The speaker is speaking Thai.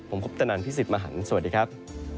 ผมคุปตนันพี่สิทธิ์มหันฯสวัสดีครับ